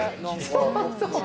そうそう。